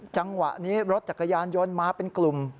จังหวะนี้รถจักรยานยนต์มาเป็นกลุ่ม